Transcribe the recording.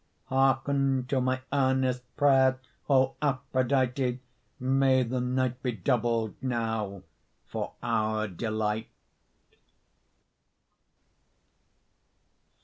Hearken to my earnest Prayer, O Aphrodite! May the night be doubled Now for our delight.